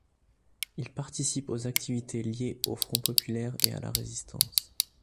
Il participe aux activités liées au Front populaire et à la Résistance.